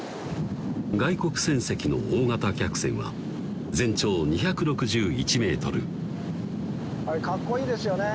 外国船籍の大型客船は全長２６１メートルかっこいいですよね